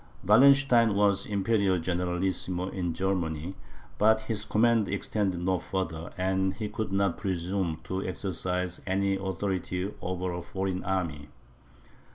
Wallenstein was Imperial Generalissimo in Germany, but his command extended no further, and he could not presume to exercise any authority over a foreign army.